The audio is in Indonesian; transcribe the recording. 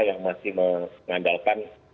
yang masih mengandalkan